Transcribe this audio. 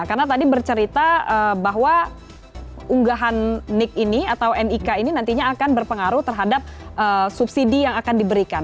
karena tadi bercerita bahwa unggahan nik ini atau nik ini nantinya akan berpengaruh terhadap subsidi yang akan diberikan